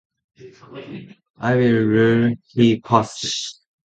“I will rule -” He paused.